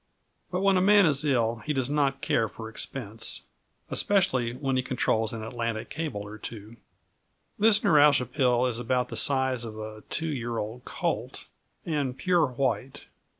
But when a man is ill he does not care for expense, especially when he controls an Atlantic cable or two. This neuralgia pill is about the size of a two year old colt and pure white.